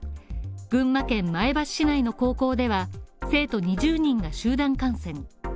群馬県前橋市内の高校では、生徒２０人が集団感染。